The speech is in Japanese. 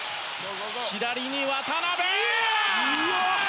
左に渡邊！